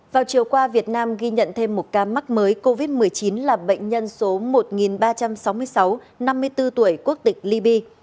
vào chiều qua việt nam ghi nhận thêm một ca mắc mới covid một mươi chín là bệnh nhân số một ba trăm sáu mươi sáu năm mươi bốn tuổi quốc tịch liby